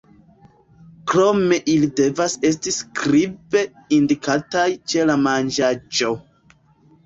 Krome ili devas esti skribe indikataj ĉe la manĝaĵo.